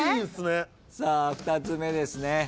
さあ２つ目ですね。